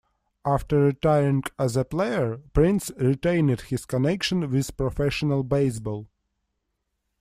After retiring as a player, Prince retained his connection with professional baseball.